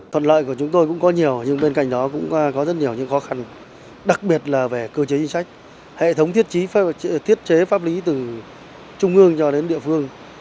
thuận lợi của chúng tôi cũng có nhiều nhưng bên cạnh đó cũng có rất nhiều những khó khăn đặc biệt là về cơ chế chính sách hệ thống thiết chế pháp lý từ trung ương cho đến địa phương